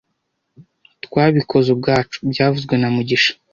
Twabikoze ubwacu byavuzwe na mugisha